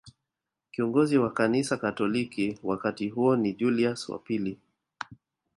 Kiongozi wa kanisa katoliki wakati huo ni Julius wa pili